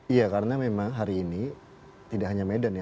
iya karena memang hari ini tidak hanya medan ya